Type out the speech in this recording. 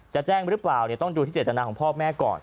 จะแจ้งหรือเปล่าต้องดูที่เจตนาของพ่อแม่ก่อน